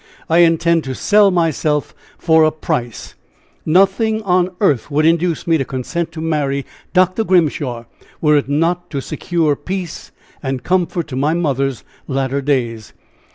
I intend to sell myself for a price! Nothing on earth would induce me to consent to marry Dr. Grimshaw, were it not to secure peace and comfort to my mother's latter days.